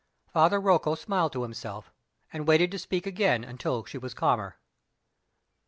Father Rocco smiled to himself, and waited to speak again till she was calmer.